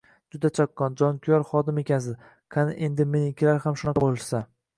Juda chaqqon, jonkuyar xodim ekansiz, qani edi menikilar ham shunaqa bo`lishsa